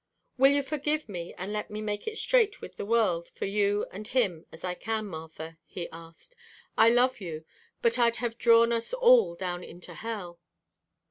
"Will you forgive me and let me make it as right with the world for you and him as I can, Martha?" he asked. "I love you, but I'd have drawn us all down into hell."